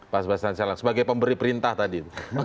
pak asyid janovanto sebagai pemberi perintah tadi